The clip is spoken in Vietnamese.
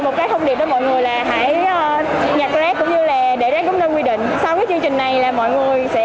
cái thông điệp đó mọi người là hãy nhạc rác cũng như là để rác trong nơi quy định